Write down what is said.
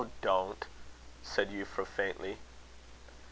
I don't," said Euphra, faintly.